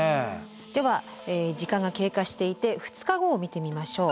では時間が経過していて２日後を見てみましょう。